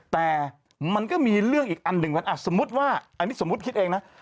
แต่มันก็มีเรื่องอีกอันหนึ่งสมมุติว่าอันนี้สมมุติคิดเองนะ